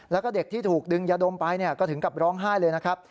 แล้วก็เด็กที่ถูกดึงยาดมไปก็ถึงกับร้องไห้เลยนะครับ